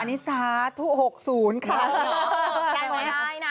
อันนี้สาธุ๖๐ค่ะ